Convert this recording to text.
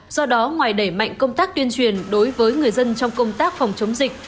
do đó ngoài đẩy mạnh công tác tuyên truyền đối với người dân trong công tác phòng chống dịch